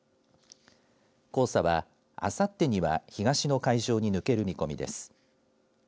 黄砂はあさってには東の海上に抜ける見込みです。